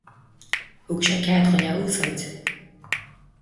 Thug sé cead dúinn é a úsáid.